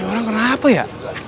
orang kenapa ya